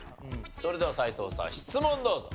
それでは斎藤さん質問どうぞ。